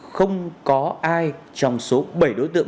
không có ai trong số bảy đối tượng